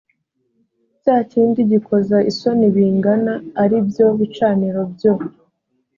cya kindi gikoza isoni bingana ari byo bicaniro byo